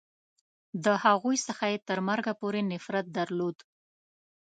د هغوی څخه یې تر مرګه پورې نفرت درلود.